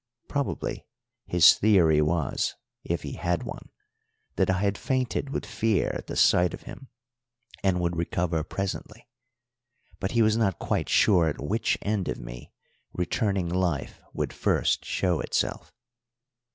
Probably his theory was, if he had one, that I had fainted with fear at the sight of him and would recover presently, but he was not quite sure at which end of me returning life would first show itself.